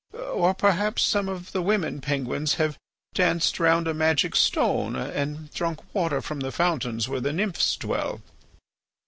Or perhaps some of the women Penguins have danced round a magic stone and drunk water from the fountains where the nymphs dwell.